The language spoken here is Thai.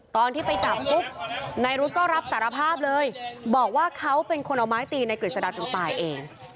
ตอนที่ไปจับปุ๊บนายรุธก็รับสารภาพเลยบอกว่าเขาเป็นคนเอาไม้ตีในกฤษฎาจนตายเอง